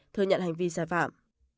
thừa nhận hành vi sai phạm